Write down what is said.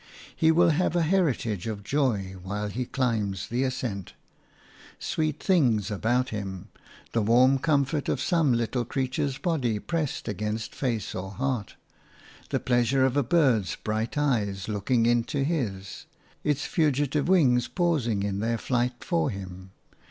He will have a heritage of joy while he climbs the ascent – sweet things about him, the warm comfort of some little creature's body pressed against face or heart, the pleasure of a bird's bright eyes looking into his, its fugitive wings pausing in their flight for him.